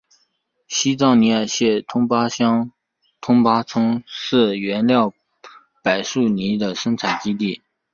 西藏尼木县吞巴乡吞巴村是原料柏树泥的生产基地。